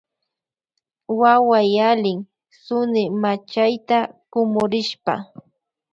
Wawa yalin sunimachayta kumurishpa.